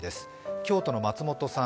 京都の松本さん